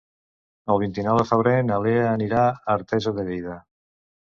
El vint-i-nou de febrer na Lea anirà a Artesa de Lleida.